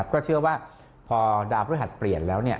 ก็เชื่อว่าพอดาวน์บริหารเปลี่ยนแล้ว